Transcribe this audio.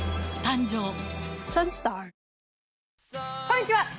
「こんにちは。